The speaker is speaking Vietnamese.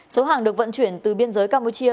số hàng được vận chuyển từ biên giới campuchia